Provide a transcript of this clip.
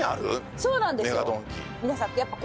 そうなんですよ。